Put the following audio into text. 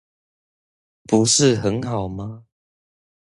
不是很好嗎